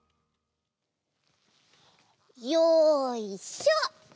よいしょ！